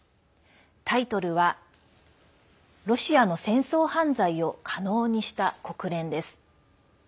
タイトルは「ロシアの戦争犯罪を可能にした国連」です。